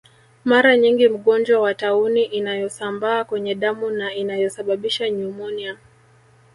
Mara nyingi mgonjwa wa tauni inayosambaa kwenye damu na inayosababisha nyumonia